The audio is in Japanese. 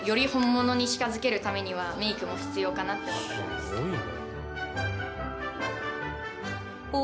すごいな。